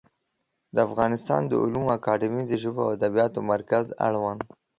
د افغانستان د علومو اکاډمي د ژبو او ادبیاتو مرکز اړوند